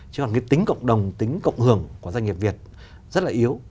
chứ còn cái tính cộng đồng tính cộng hưởng của doanh nghiệp việt rất là yếu